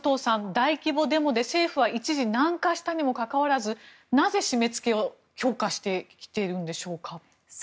大規模デモで政府は一時軟化したにもかかわらずなぜ、締め付けを強化してきているんでしょうか。